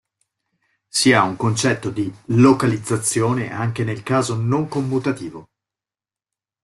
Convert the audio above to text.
Si ha un concetto di localizzazione anche nel caso non commutativo.